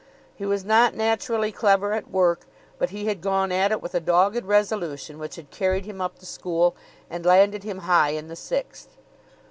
He was not naturally clever at work, but he had gone at it with a dogged resolution which had carried him up the school, and landed him high in the Sixth.